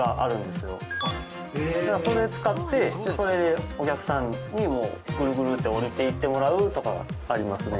それ使ってそれでお客さんにグルグルって降りていってもらうとかがありますね。